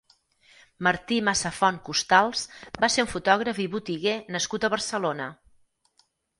Martí Massafont Costals va ser un fotògraf i botiguer nascut a Barcelona.